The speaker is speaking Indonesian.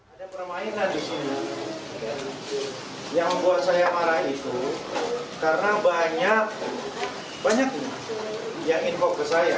ada permainan di sini yang membuat saya marah itu karena banyak banyak yang involve ke saya